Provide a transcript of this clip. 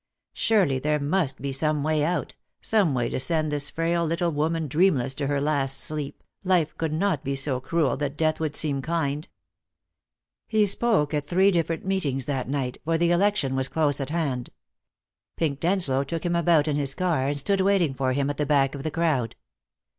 Surely there must be some way out, some way to send this frail little woman dreamless to her last sleep, life could not be so cruel that death would seem kind. He spoke at three different meetings that night, for the election was close at hand. Pink Denslow took him about in his car, and stood waiting for him at the back of the crowd.